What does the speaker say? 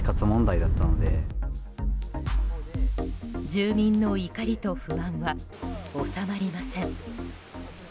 住民の怒りと不安は収まりません。